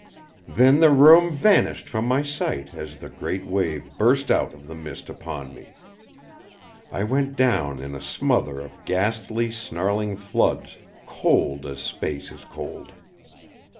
Then the room vanished from my sight as the great wave burst out of the mist upon me. I went down in a smother of ghastly snarling floods cold as space is cold.